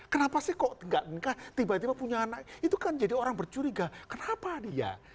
kenapa sih kok gak nikah tiba tiba punya anak itu kan jadi orang bercuriga kenapa dia